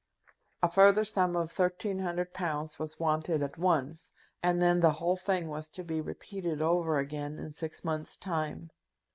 A further sum of thirteen hundred pounds was wanted at once, and then the whole thing was to be repeated over again in six months' time!